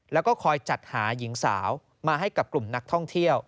แล้วก็คอยจัดหาหญิงสาวมาให้กับกลุ่มนักท่องเที่ยว